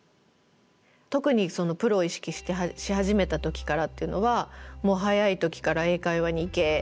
特にプロを意識してし始めた時からっていうのは「もう早い時から英会話に行け。